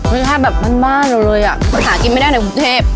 มันชาติแบบบ้านบ้านอ่ะเลยอ่ะหากินไม่ได้ในกรุงเทพฯ